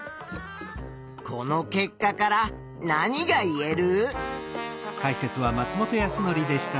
この結果から何がいえる？